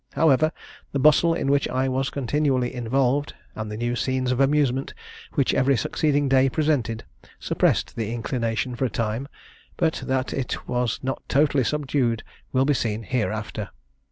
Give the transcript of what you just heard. However, the bustle in which I was continually involved, and the new scenes of amusement which every succeeding day presented, suppressed the inclination for a time; but that it was not totally subdued will be seen hereafter.